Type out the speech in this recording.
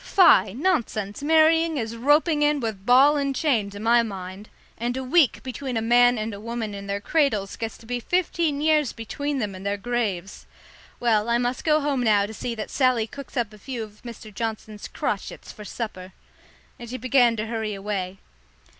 "Tie, nonsense; marrying is roping in with ball and chain, to my mind. And a week between a man and a woman in their cradles gets to be fifteen years between them and their graves. Well, I must go home now to see that Sally cooks up a few of Mr. Johnson's crotchets for supper." And she began to hurry away.